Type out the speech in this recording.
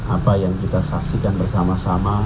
apa yang kita saksikan bersama sama